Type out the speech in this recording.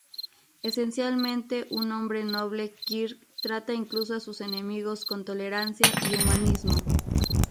Esencialmente un hombre noble, Kirk trata incluso a sus enemigos con tolerancia y humanismo.